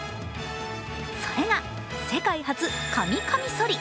それが世界初、紙カミソリ。